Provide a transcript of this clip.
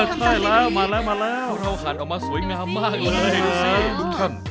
พวกเราทำได้ดีอะดูสิ